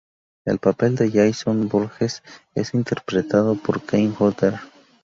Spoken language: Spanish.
El papel de Jason Voorhees es interpretado por Kane Hodder.